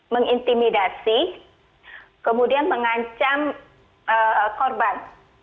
mengintimidasi kemudian mengancam korban